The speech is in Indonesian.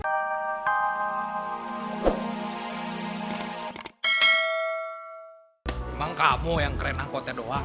emang kamu yang keren angkotnya doang